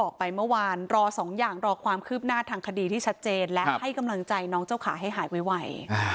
ครับไม่ต้องห่วงเรื่องนี้